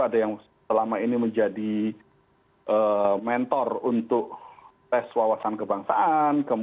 ada yang selama ini menjadi mentor untuk tes wawasan kebangsaan